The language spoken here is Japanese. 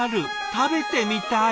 食べてみたい。